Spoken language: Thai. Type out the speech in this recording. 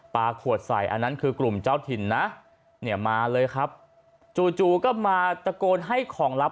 ขวดใส่อันนั้นคือกลุ่มเจ้าถิ่นนะเนี่ยมาเลยครับจู่จู่ก็มาตะโกนให้ของลับ